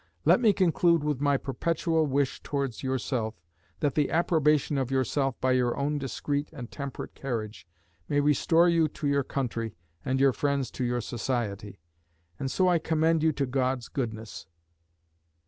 Let me conclude with my perpetual wish towards yourself, that the approbation of yourself by your own discreet and temperate carriage, may restore you to your country, and your friends to your society. And so I commend you to God's goodness.